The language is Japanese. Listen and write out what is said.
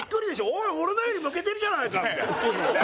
「おい俺のよりむけてるじゃないか」みたいな。